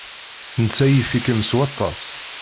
Netta yif-ikem s waṭas.